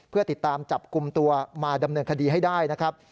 เพื่อติดตามจับกลุ่มตัวมาดำเนินคดีให้ได้นะครับ